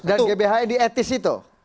dan gbhn di etis itu